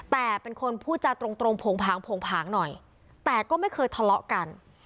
แต่เป็นคนพูดจาตรงตรงโผงผางโผงผางหน่อยแต่ก็ไม่เคยทะเลาะกัน